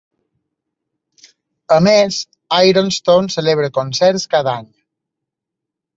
A més, Ironstone celebra concerts cada any.